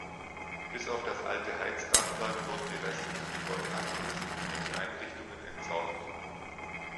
Bis auf das alte Heizkraftwerk wurden die restlichen Gebäude abgerissen und die Einrichtungen entsorgt.